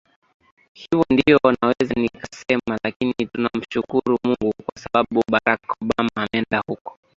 hivo ndio naweza nikasema lakini tunamushukuru mungu kwa sababu barak obama ameenda huko